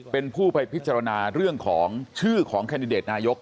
เป็นผู้ไปพิจารณาเรื่องของชื่อของแคนดิเดตนายก